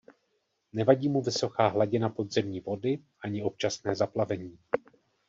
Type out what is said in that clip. Nevadí mu vysoká hladina podzemní vody ani občasné zaplavení.